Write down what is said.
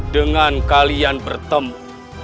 dengan kalian bertemu